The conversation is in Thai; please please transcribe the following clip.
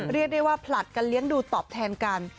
เรียกได้ว่าผลัดกันเลี้ยงดูตอบแทนกัน